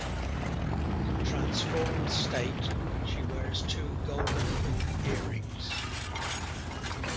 In transformed state, she wears two golden hoop earrings.